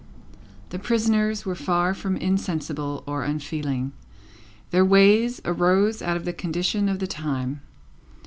The prisoners were far from insensible or unfeeling; their ways arose out of the condition of the time.